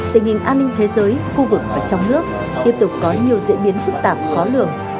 tình hình an ninh thế giới khu vực và trong nước tiếp tục có nhiều diễn biến phức tạp khó lường